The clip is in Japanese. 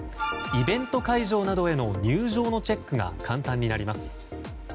イベント会場などへの入場のチェックが簡単になります。